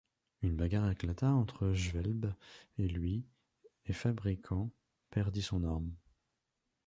Une bagarre éclata entre Schwelb et lui et Fabrikant perdit son arme.